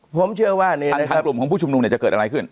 ทางกลุ่มของผู้ชุมนุนจะเกิดอะไรขึ้น